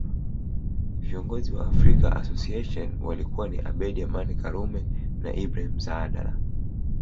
Viongozi wa African Association walikuwa ni Abeid Amani Karume na Ibrahim Saadala